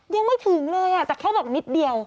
ยังไม่ถึงเลยแต่แค่บอกนิดเดียว